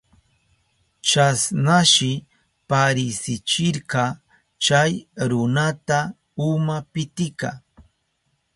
Chasnashi parisichirka chay runata uma pitika.